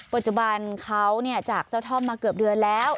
ปัจจุบันเขาจากเจ้าท่อมมาเกือบเดือนแล้ว